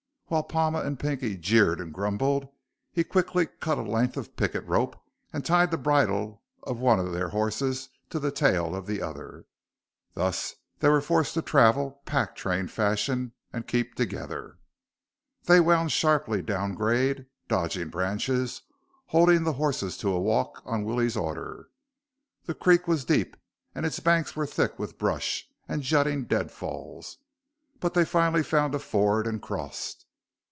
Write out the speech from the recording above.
While Palma and Pinky jeered and grumbled, he quickly cut a length of picket rope and tied the bridle of one of their horses to the tail of the other. Thus they were forced to travel pack train fashion and keep together. They wound sharply down grade, dodging branches, holding the horses to a walk on Willie's order. The creek was deep and its banks were thick with brush and jutting dead falls, but they finally found a ford and crossed.